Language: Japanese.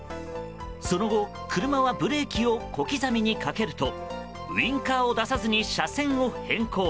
その後、車はブレーキを小刻みにかけるとウインカーを出さずに車線を変更。